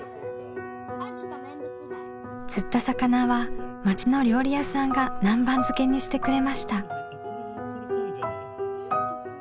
釣った魚は町の料理屋さんが南蛮漬けにしてくれました。